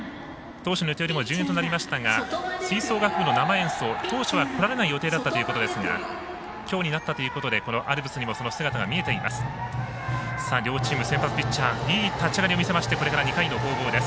当初の予定より順延となりましたが吹奏楽部の生演奏当初は、ない予定でしたがきょうになったということでアルプスにも姿が見えています。